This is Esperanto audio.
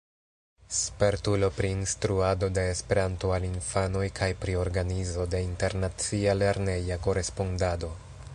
Spertulo pri instruado de Esperanto al infanoj kaj pri organizo de internacia lerneja korespondado.